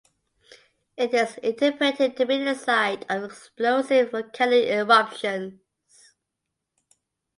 It is interpreted to be the site of explosive volcanic eruptions.